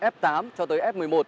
f tám cho tới f một mươi một